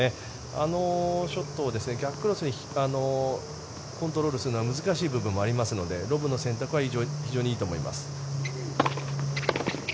あのショットを逆にコントロールするのは難しい部分もありますのでロブの選択は非常にいいと思います。